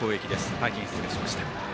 大変失礼しました。